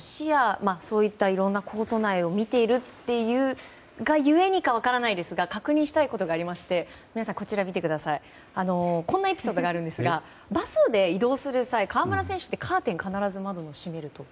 そういった、いろんなコート内を見ているがゆえにか分からないですが確認したいことがありましてこんなエピソードがあるんですがバスで移動する際河村選手ってカーテンを必ず閉めると。